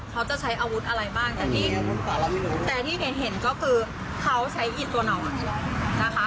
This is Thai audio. เขาจะใช้อาวุธอะไรบ้างแต่นี่แต่ที่เห็นเห็นก็คือเขาใช้อิดตัวหน่อยนะคะ